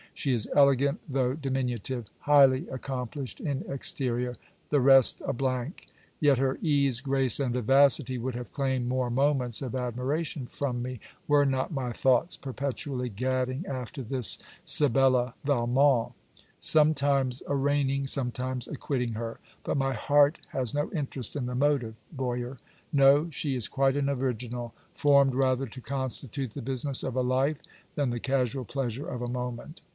She is elegant, though diminutive; highly accomplished in exterior: the rest a blank. Yet her ease, grace, and vivacity, would have claimed more moments of admiration from me, were not my thoughts perpetually gadding after this Sibella Valmont: sometimes arraigning, sometimes acquitting, her. But my heart has no interest in the motive, Boyer. No; she is quite an original, formed rather to constitute the business of a life, than the casual pleasure of a moment.